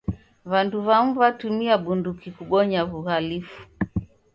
W'andu w'amu w'atumia bunduki kubonya w'uhalifu.